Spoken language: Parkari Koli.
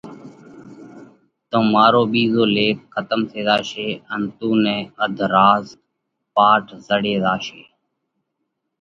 تو مارو ٻِيزو ليک کتم ٿي زاشي ان تُون نئہ اڌ راز پاٽ زڙي زاشي،